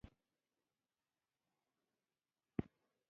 د کونړ سیند د اوبو له پلوه یو له پیاوړو سیندونو څخه شمېرل کېږي.